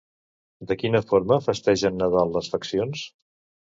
De quina forma festegen Nadal les faccions?